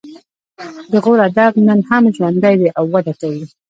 د غور ادب نن هم ژوندی دی او وده کوي